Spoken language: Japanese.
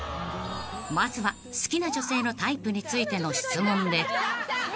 ［まずは好きな女性のタイプについての質問で］